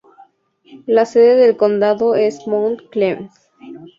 La sede del condado es Mount Clemens.